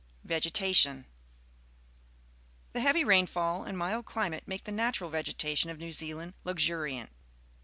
Vegetation. — The hea \^j^ rainfall and mild climate make the natural vegetation of New Zealand luxuriant.